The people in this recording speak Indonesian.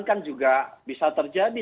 kan juga bisa terjadi